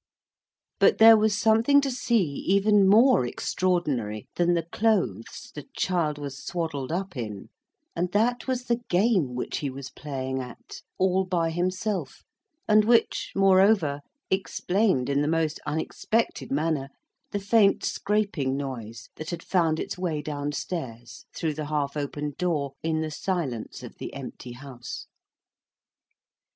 But there was something to see even more extraordinary than the clothes the child was swaddled up in, and that was the game which he was playing at, all by himself; and which, moreover, explained in the most unexpected manner the faint scraping noise that had found its way down stairs, through the half opened door, in the silence of the empty house.